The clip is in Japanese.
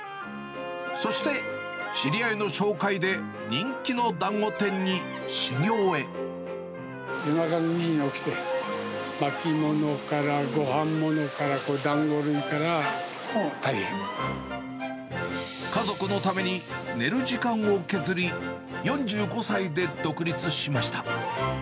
そして、知り合いの紹介で人気の夜中の２時に起きて、巻きものからごはんものから、家族のために寝る時間を削り、４５歳で独立しました。